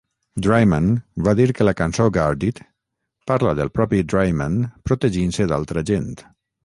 Draiman va dir que la cançó "Guarded" parla del propi Draiman protegint-se d'altra gent.